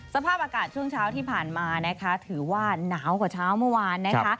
สภาพอากาศช่วงเช้าที่ผ่านมานะคะถือว่าหนาวกว่าเช้าเมื่อวานนะคะ